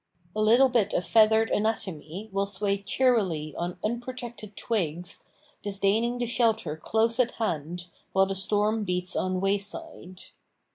A little bit of feathered anatomy will sway cheerily on unprotected twigs, disdaining the shelter close at hand, while the storm beats on wayside.